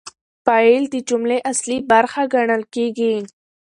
فاعل د جملې اصلي برخه ګڼل کیږي.